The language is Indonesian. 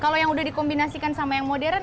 kalau yang udah dikombinasikan sama yang modern